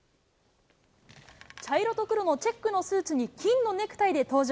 茶色と黒のチェックのスーツに金のネクタイで登場。